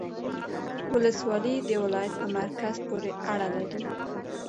ولسوالۍ د ولایت په مرکز پوري اړه لري